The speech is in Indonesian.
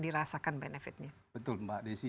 dirasakan benefitnya betul mbak desi